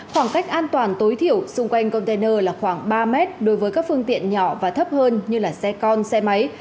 khoảng cách an toàn tối thiểu xung quanh container là khoảng ba mét đối với các phương tiện nhỏ và thấp hơn như là xe con xe máy